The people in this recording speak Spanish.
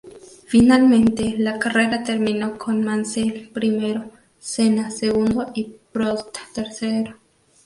Finalmente la carrera terminó con Mansell primero, Senna segundo y Prost tercero.